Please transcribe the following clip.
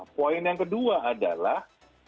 poin yang kedua adalah